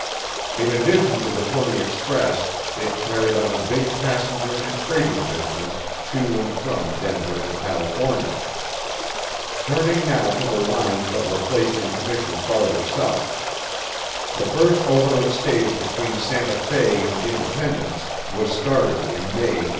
In addition to the Pony Express it carried on a big passenger and freighting business to and from Denver and California. Turning now to the lines that were placed in commission farther South. The first overland stage between Santa Fe and Independence was started in May, 1849.